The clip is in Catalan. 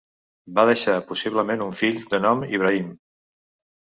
Va deixar possiblement un fill de nom Ibrahim.